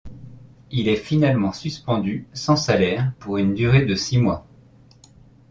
Il est finalement suspendu sans salaire pour une durée de six mois.